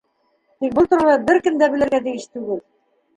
Тик был турала бер кем дә белергә тейеш түгел.